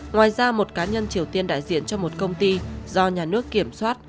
ngoài ra một cá nhân triều tiên đại diện cho một công ty do nhà nước kiểm soát